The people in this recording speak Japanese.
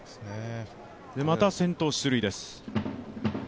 また先頭出塁です。